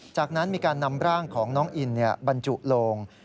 จากนั้นมีการนำร่างของน้องอินบรรจุโลง